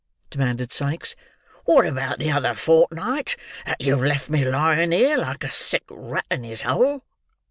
demanded Sikes. "What about the other fortnight that you've left me lying here, like a sick rat in his hole?"